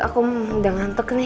aku udah ngantuk nih